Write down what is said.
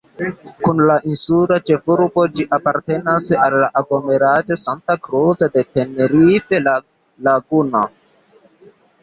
Kun la insula ĉefurbo ĝi apartenas al la aglomeraĵo Santa Cruz de Tenerife-La Laguna.